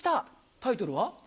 タイトルは？